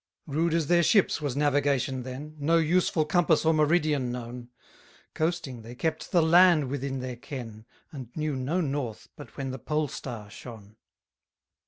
159 Rude as their ships was navigation then; No useful compass or meridian known; Coasting, they kept the land within their ken, And knew no North but when the Pole star shone.